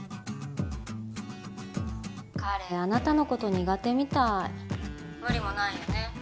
彼あなたのこと苦手みたい無理もないよね